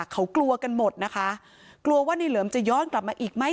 เขากลัวกันหมดนะคะกลัวว่าในเหลิมจะย้อนกลับมาอีกไหม